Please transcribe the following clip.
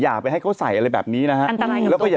อย่าไปให้เขาใส่อะไรแบบนี้นะฮะ